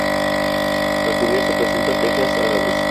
La cubierta presenta tejas árabes.